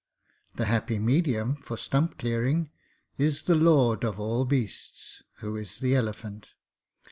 The happy medium for stump clearing is the lord of all beasts, who is the elephant.